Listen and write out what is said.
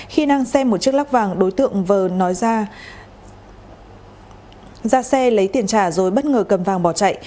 khi đang xem một chiếc lắc vàng đối tượng vừa nói ra ra xe lấy tiền trả rồi bất ngờ cầm vàng bỏ chạy